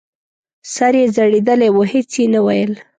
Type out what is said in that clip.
سر یې ځړېدلی و هېڅ یې نه ویل !